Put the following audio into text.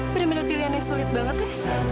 bener bener pilihan yang sulit banget ya